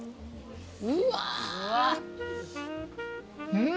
うん！